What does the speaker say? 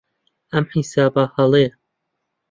ئەم حیسابە هەڵەیە.